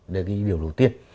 đấy là cái điều đầu tiên